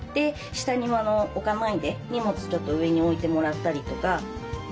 下に置かないで荷物ちょっと上に置いてもらったりとか。